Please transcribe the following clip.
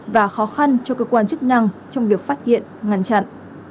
và khó khăn cho cơ quan chức năng trong việc phát hiện ngăn chặn